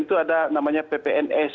itu ada namanya ppns